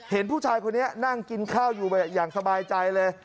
เห็นผู้ชายคนนี้นั่งกินข้าวอยู่อย่างสบายใจเลย